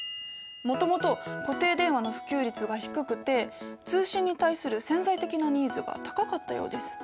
もともと固定電話の普及率が低くて通信に対する潜在的なニーズが高かったようです。